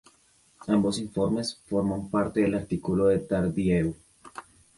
Ambos informes forman parte del artículo de Tardieu.